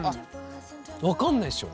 分かんないっしょ？